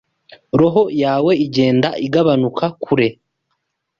roho yawe igenda igabanuka, kure!